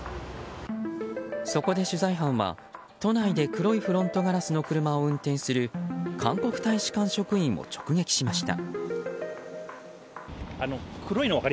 そこで取材班は都内で黒いフロントガラスの車を運転する韓国大使館職員を直撃しました。